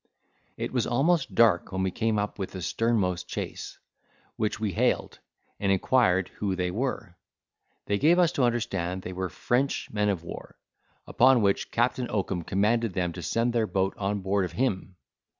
It was almost dark when we came up with the sternmost chase, which we hailed, and inquired who they were. They gave us to understand they were French men of war, upon which Captain Oakum commanded them to send their boat on board of him!